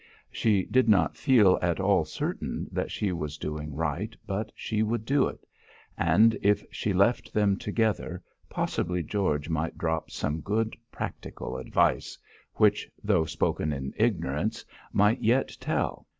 She did not feel at all certain that she was doing right, but she would do it; and if she left them together, possibly George might drop some good PRACTICAL advice, which, though spoken in ignorance, might yet tell.